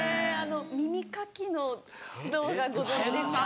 耳かきの動画ご存じですか？